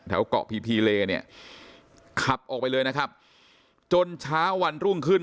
แถวเกาะพีพีเลเนี่ยขับออกไปเลยนะครับจนเช้าวันรุ่งขึ้น